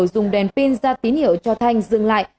dùng đèn pin ra tín hiệu cho thanh dừng lại